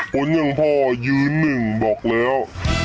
คุณอย่างพ่อยืนหนึ่งบอกแล้ว